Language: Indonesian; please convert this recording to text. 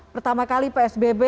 pertama kali psbb